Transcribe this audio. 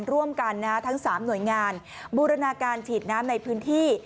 ร่วมกันทั้ง๓หน่วยงานบูรณาการฉีดน้ำในพื้นที่